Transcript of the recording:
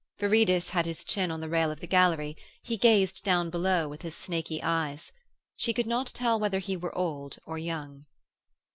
Viridus had his chin on the rail of the gallery; he gazed down below with his snaky eyes. She could not tell whether he were old or young.